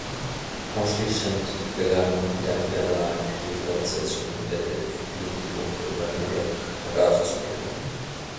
Anschließend begann der Verlag die Fortsetzung "Detektiv Loki Ragnarok" herauszubringen.